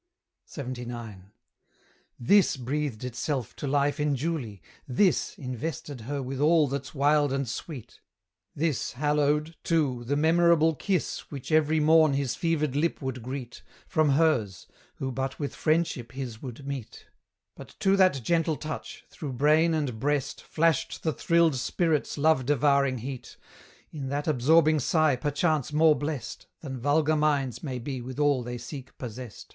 LXXIX. THIS breathed itself to life in Julie, THIS Invested her with all that's wild and sweet; This hallowed, too, the memorable kiss Which every morn his fevered lip would greet, From hers, who but with friendship his would meet: But to that gentle touch, through brain and breast Flashed the thrilled spirit's love devouring heat; In that absorbing sigh perchance more blest, Than vulgar minds may be with all they seek possest.